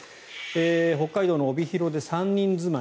北海道の帯広で３人住まい。